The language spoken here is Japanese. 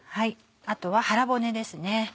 あとは腹骨ですね。